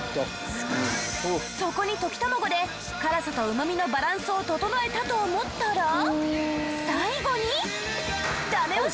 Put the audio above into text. そこに溶き卵で辛さとうまみのバランスを調えたと思ったら最後に。